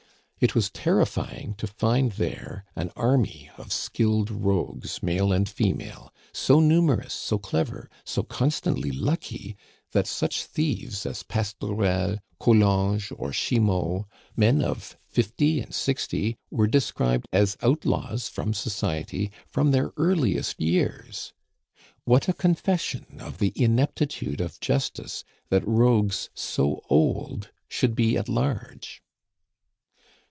It was terrifying to find there an army of skilled rogues, male and female; so numerous, so clever, so constantly lucky, that such thieves as Pastourel, Collonge, or Chimaux, men of fifty and sixty, were described as outlaws from society from their earliest years! What a confession of the ineptitude of justice that rogues so old should be at large!